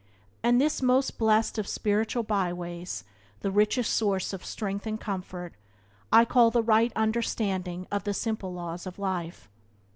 And this most blessed of spiritual byways, the richest source of strength and comfort, I call The Right Understanding of the Simple Laws of Life.